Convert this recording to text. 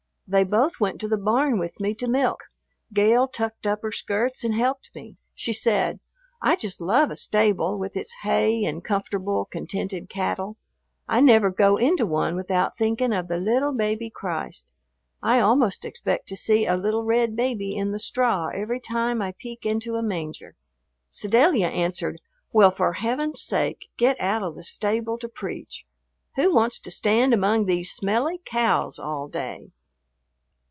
They both went to the barn with me to milk. Gale tucked up her skirts and helped me. She said, "I just love a stable, with its hay and comfortable, contented cattle. I never go into one without thinking of the little baby Christ. I almost expect to see a little red baby in the straw every time I peek into a manger." Sedalia answered, "Well, for Heaven's sake, get out of the stable to preach. Who wants to stand among these smelly cows all day?"